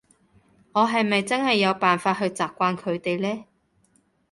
我係咪真係有辦法去習慣佢哋呢？